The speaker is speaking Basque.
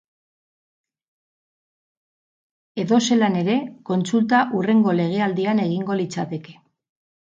Edozelan ere, kontsulta hurrengo legealdian egingo litzateke.